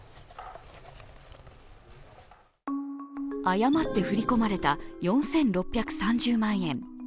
誤って振り込まれた４６３０万円。